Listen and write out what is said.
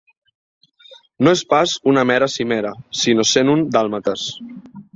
No és pas una mera cimera, sinó cent un dàlmates.